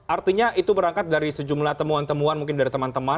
artinya itu berangkat dari sejumlah temuan temuan mungkin dari teman teman